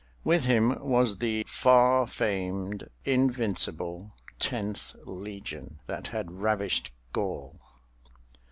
With him was the far famed invincible Tenth Legion that had ravished Gaul.